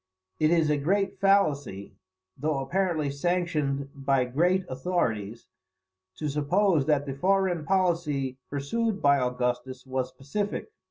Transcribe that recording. It is a great fallacy, though apparently sanctioned by great authorities, to suppose that the foreign policy pursued by Augustus was pacific.